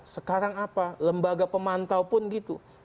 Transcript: sekarang apa lembaga pemantau pun gitu